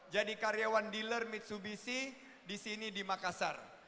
jadi karyawan dealer mitsubishi di sini di makassar